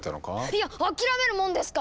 いやっ諦めるもんですか！